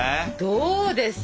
どうですか？